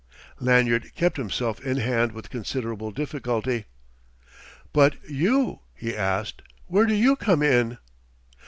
Lanyard kept himself in hand with considerable difficulty. "But you?" he asked. "Where do you come in?"